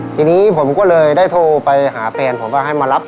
ทีนี้ผมก็เลยได้โทรไปหาแฟนผมว่าให้มารับ